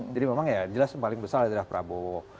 jadi memang ya jelas paling besar adalah prabowo